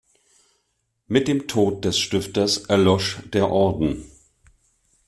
Mit dem Tod des Stifters erlosch der Orden.